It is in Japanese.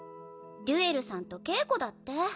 ドゥエルさんと稽古だって。